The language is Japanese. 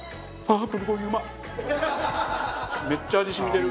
めっちゃ味染みてる。